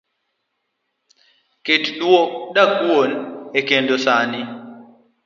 ket dakuon e kendo sani.